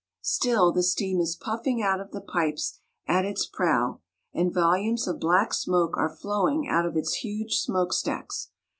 Still, the steam is puffing out of the pipes at its prow, and volumes of black smoke are flowing out of its huge smoke stacks.